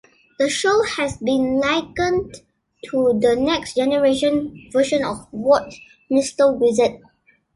The show has been likened to the next generation version of "Watch Mr. Wizard".